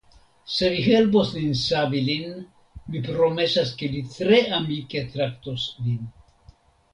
Se vi helpos nin savi lin mi promesas ke li tre amike traktos vin.